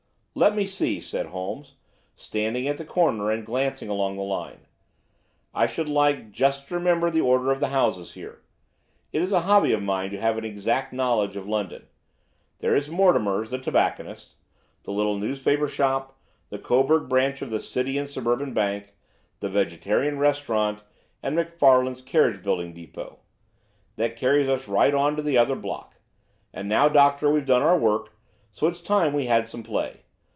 "Let me see," said Holmes, standing at the corner and glancing along the line, "I should like just to remember the order of the houses here. It is a hobby of mine to have an exact knowledge of London. There is Mortimer's, the tobacconist, the little newspaper shop, the Coburg branch of the City and Suburban Bank, the Vegetarian Restaurant, and McFarlane's carriage building depot. That carries us right on to the other block. And now, Doctor, we've done our work, so it's time we had some play.